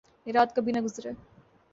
یہ رات کبھی نہ گزرے